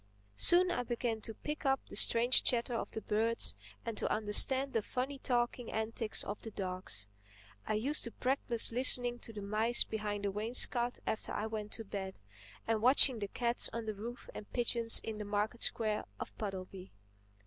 Soon I began to pick up the strange chatter of the birds and to understand the funny talking antics of the dogs. I used to practise listening to the mice behind the wainscot after I went to bed, and watching the cats on the roofs and pigeons in the market square of Puddleby.